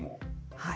はい。